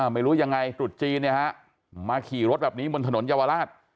ไม่รู้ยังไงจุดจีนเนี่ยฮะมาขี่รถแบบนี้บนถนนเยาวราช